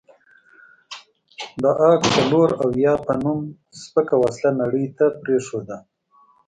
د اک څلوراویا په نوم سپکه وسله نړۍ ته پرېښوده.